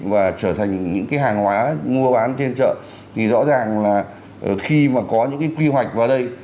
và trở thành những cái hàng hóa mua bán trên chợ thì rõ ràng là khi mà có những cái quy hoạch vào đây